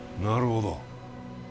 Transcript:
なるほど